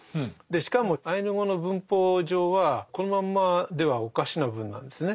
しかもアイヌ語の文法上はこのまんまではおかしな文なんですね。